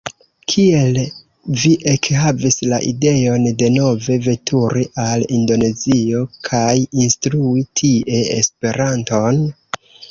Kiel vi ekhavis la ideon denove veturi al Indonezio kaj instrui tie Esperanton?